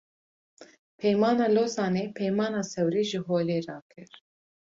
Peymana Lozanê, Peymana Sewrê ji holê rakir